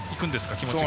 気持ちは。